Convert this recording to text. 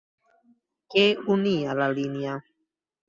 Què unia la línia?